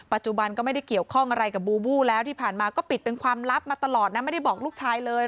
ปัจจุบันก็ไม่ได้เกี่ยวข้องอะไรกับบูบูแล้วที่ผ่านมาก็ปิดเป็นความลับมาตลอดนะไม่ได้บอกลูกชายเลย